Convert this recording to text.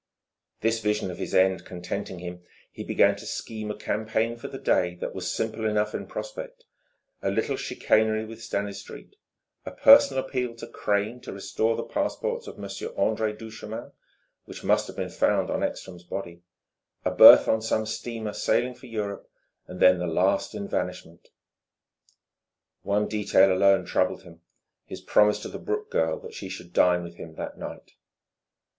This vision of his end contenting him, he began to scheme a campaign for the day that was simple enough in prospect: a little chicanery with Stanistreet, a personal appeal to Crane to restore the passports of Monsieur André Duchemin which must have been found on Ekstrom's body, a berth on some steamer sailing for Europe, then the last evanishment. One detail alone troubled him, his promise to the Brooke girl that she should dine with him that night.